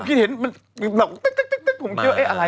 ผมคิดเห็นแบบตึ๊กผมคิดว่าอะไร